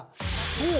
そう！